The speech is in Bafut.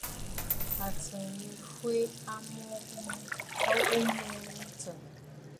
Àtsə̀ʼə̀ yî fwɛ̀ a wo mə tsɔ̀ʼɔ̀.